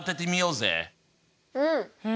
うん。